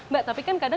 jadi saya mengatakan